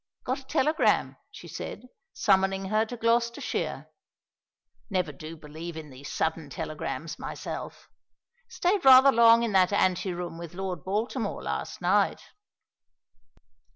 Got a telegram, she said, summoning her to Gloucestershire. Never do believe in these sudden telegrams myself. Stayed rather long in that anteroom with Lord Baltimore last night."